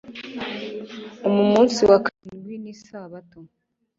umu munsi wa karindi nisabato